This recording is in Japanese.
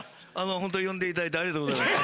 ホント呼んでいただいてありがとうございます。